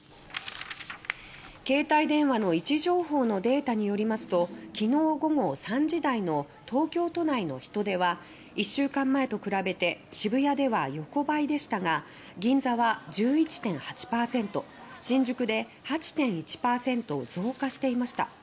携帯電話の位置情報のデータによりますときのう午後３時台の東京都内の人出は１週間前と比べて渋谷では横ばいでしたが銀座は１１．８％新宿で８．１％増加していました。